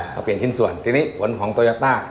ข้อเปลี่ยนขึ้นส่วนที่นี้ขนของโตยาต้า